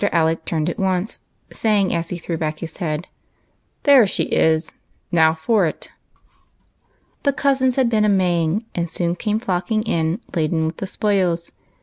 Alec turned at once, saying, as he threw •back his head, " There she is ; now for it !" The cousins had been a Maying, and soon came flock ing in laden with the spoils.